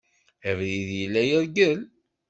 Abrid yella yergel.